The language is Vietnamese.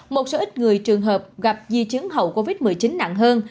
một số ít người trường hợp gặp di chứng hậu covid một mươi chín nặng hơn